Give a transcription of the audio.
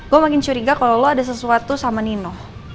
gue makin curiga kalau lo ada sesuatu sama nino